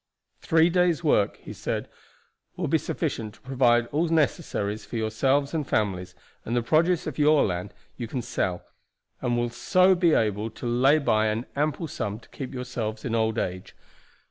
"Three days' work," he said, "will be sufficient to provide all necessaries for yourselves and families and the produce of your land you can sell, and will so be able to lay by an ample sum to keep yourselves in old age.